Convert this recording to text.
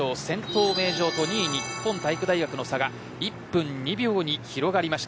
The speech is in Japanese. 名城と日本体育大学の差が１分２秒に広がりました。